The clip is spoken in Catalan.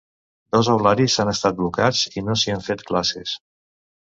Dos aularis han estat blocats i no s’hi han fet classes.